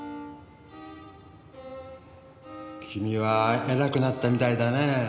君は偉くなったみたいだねぇ。